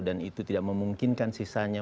dan itu tidak memungkinkan sisanya